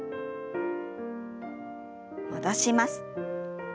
戻します。